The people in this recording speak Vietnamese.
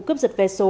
cướp giật vé số